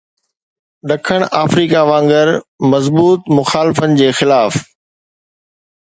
ڏکڻ آفريڪا وانگر مضبوط مخالفن جي خلاف